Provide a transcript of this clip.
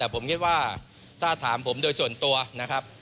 ผมคิดว่าถ้าถามผมโดยส่วนตัวนะครับ